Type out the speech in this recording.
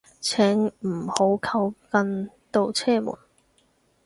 請唔好靠近度車門